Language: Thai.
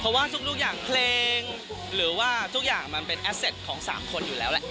เพราะว่าทุกอย่างเพลงหรือว่าทุกอย่างมันเป็นแอสเต็ตของ๓คนอยู่แล้วแหละ